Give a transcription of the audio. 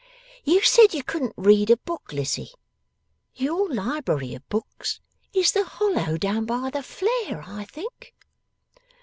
'You said you couldn't read a book, Lizzie. Your library of books is the hollow down by the flare, I think.